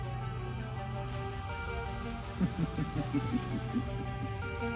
フフフフ。